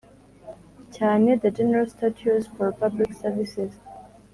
cyane the general statutes for public service